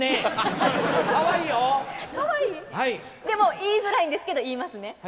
でも言いづらいんですけど言いますね。